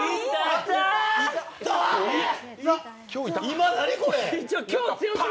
今、何、これ！？